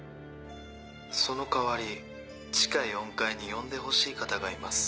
その代わり地下４階に呼んでほしい方がいます。